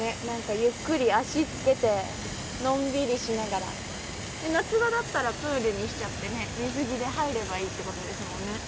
ゆっくり足漬けてのんびりしながら夏場だったらプールにしちゃって水着で入るのもいいってことですもんね。